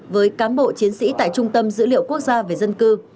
với cán bộ chiến sĩ tại trung tâm dữ liệu quốc gia về dân cư